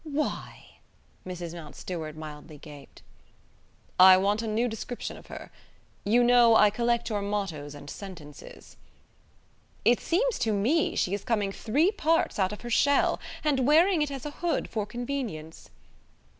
"Why! " Mrs. Mountstuart mildly gaped. "I want a new description of her. You know, I collect your mottoes and sentences." "It seems to me she is coming three parts out of her shell, and wearing it as a hood for convenience."